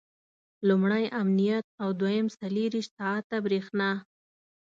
لومړی امنیت او دویم څلرویشت ساعته برېښنا.